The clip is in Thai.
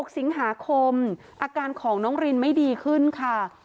๖สิงหาคมอาการของน้องรินไม่ดีขึ้นค่ะ